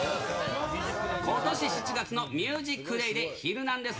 ことし７月のＭＵＳＩＣＤＡＹで、ヒルナンデス！